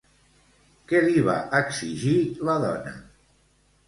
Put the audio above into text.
Què li va exigir la dona?